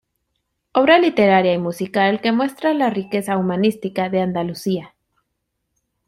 Obra literaria y musical que muestra la riqueza humanística de Andalucía.